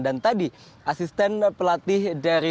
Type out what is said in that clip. dan tadi asisten pelatih dari